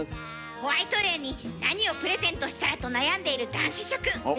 ホワイトデーに何をプレゼントしたらと悩んでいる男子諸君。